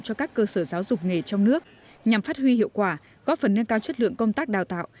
cho các cơ sở giáo dục nghề trong nước nhằm phát huy hiệu quả góp phần nâng cao chất lượng công tác đào tạo